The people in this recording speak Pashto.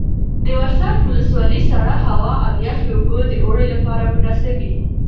د ورسج ولسوالۍ سړه هوا او یخې اوبه د اوړي لپاره مناسبې دي.